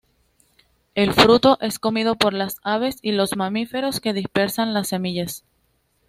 El fruto es comido por las aves y los mamíferos, que dispersan las semillas.